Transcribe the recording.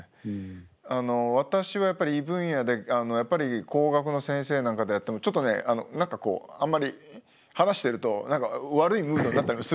私は異分野で工学の先生なんかとやってもちょっとね何かこうあんまり話してると悪いムードになったりするわけですよね。